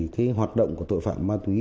cái hoạt động của tội phạm ma túy